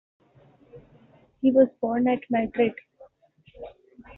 He was born at Madrid.